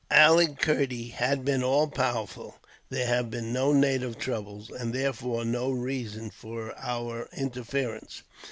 Ali Kerdy has been all powerful, there have been no native troubles, and therefore no reason for our interference.